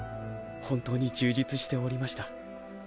本当に充実しておりました。